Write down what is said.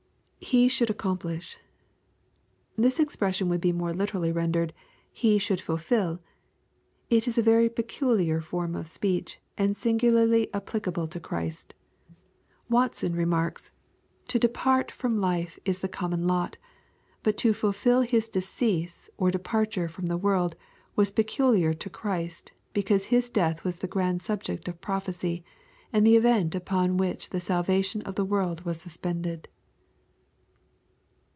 [He shmM a^ccomplish.] This expression would be more literally rendered, " He should fulfil." It is a very peculiar form of speech, and singularly applicable to Christ Watson remarks, " to depart 320 EXPOSITOBY THOUGHTS. from l).e is the common lot: but to fvlfH his decease ^ departard from the world, was peculiar to Christy because His death was the grand subject of prophecy, and the event upon which the salvatior of the world was suspended."